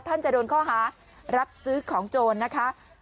จะโดนข้อหารับซื้อของโจรนะคะ